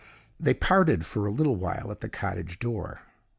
They parted for a little while at the cottage door.